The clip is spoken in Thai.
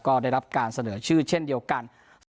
ก็ได้รับการเสนอชื่อเช่นเดียวกัน